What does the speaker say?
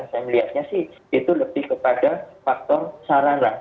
saya melihatnya sih itu lebih kepada faktor sarana